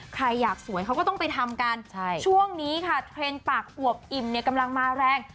ใครอยากสวยเขาก็ต้องไปทำกันช่วงนี้ค่ะเทรนด์ปากอวบอิ่มเนี่ยกำลังมาแรง